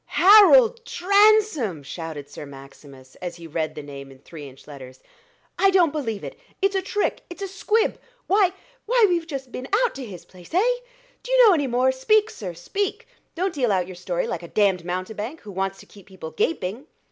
"Harold Transome!" shouted Sir Maximus, as he read the name in three inch letters. "I don't believe it it's a trick it's a squib: why why we've just been to his place eh? do you know any more? Speak, sir speak; don't deal out your story like a damned mountebank, who wants to keep people gaping."